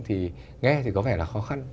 thì nghe thì có vẻ là khó khăn